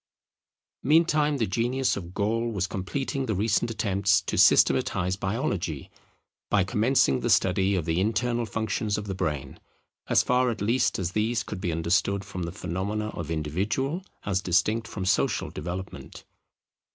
Meantime the genius of Gall was completing the recent attempts to systematize biology, by commencing the study of the internal functions of the brain; as far at least as these could be understood from the phenomena of individual as distinct from social development.